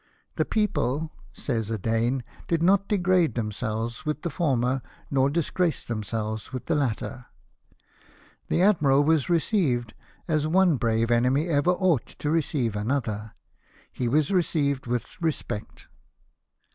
The people," says a Dane, " did not degrade themselves with the former, nor disgrace themselves with the latter. The Admiral was received as one brave enemy ever ought to receive another — he was received with respect."